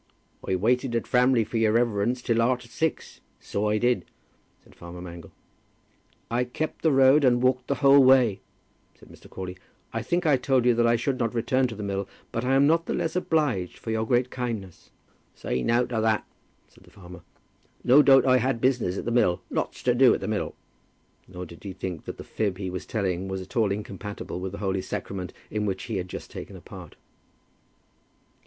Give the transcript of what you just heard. "I waited at Framley for your reverence till arter six, so I did," said farmer Mangle. "I kept the road, and walked the whole way," said Mr. Crawley. "I think I told you that I should not return to the mill. But I am not the less obliged by your great kindness." "Say nowt o' that," said the farmer. "No doubt I had business at the mill, lots to do at the mill." Nor did he think that the fib he was telling was at all incompatible with the Holy Sacrament in which he had just taken a part.